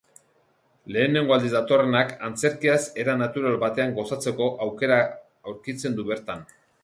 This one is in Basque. Lehenengo aldiz datorrenak antzerkiaz era natural batean gozatzeko aukera aurkitzen du bertan.